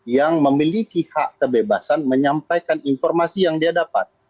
yang memiliki hak kebebasan menyampaikan informasi yang dia dapat